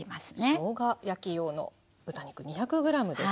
しょうが焼き用の豚肉２００ｇです。